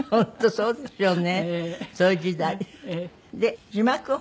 そうですよね。